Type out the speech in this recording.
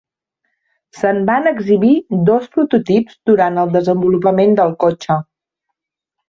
Se'n van exhibir dos prototips durant el desenvolupament del cotxe.